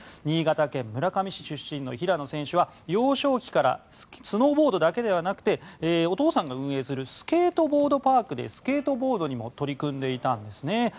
新潟県村上市出身の平野選手は幼少期からスノーボードだけでなくてお父さんが運営するスケートボードパークでスケートボードにも取り組んでいたんです。